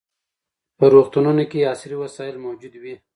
په روغتونونو کې عصري وسایل موجود وي.